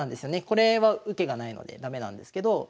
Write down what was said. これは受けがないので駄目なんですけど。